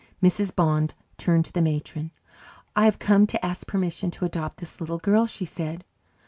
Mrs. Bond turned to the matron. "I have come to ask permission to adopt this little girl," she said.